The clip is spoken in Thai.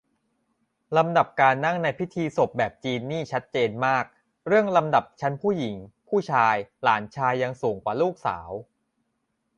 ลำดับการนั่งในพิธีศพแบบจีนนี่ชัดเจนมากเรื่องลำดับชั้นผู้หญิงผู้ชาย หลานชายยังสูงกว่าลูกสาว